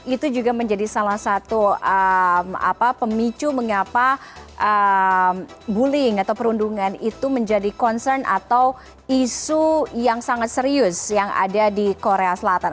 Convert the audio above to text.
itu juga menjadi salah satu pemicu mengapa bullying atau perundungan itu menjadi concern atau isu yang sangat serius yang ada di korea selatan